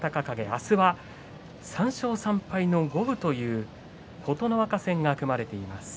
明日は３勝３敗五分という琴ノ若戦が組まれています。